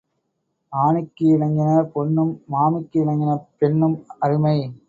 ஆணிக்கு இணங்கின பொன்னும் மாமிக்கு இணங்கின பெண்ணும் அருமை.